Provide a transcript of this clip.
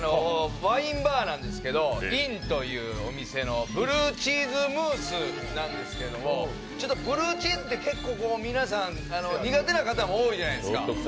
ワインバーなんですけどＮｉというお店のブルーチーズムースなんですけども、ブルーチーズって結構、皆さん苦手な人多いじゃないですか。